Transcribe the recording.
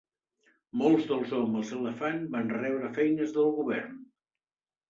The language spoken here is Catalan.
Molts dels homes elefant van rebre feines del govern.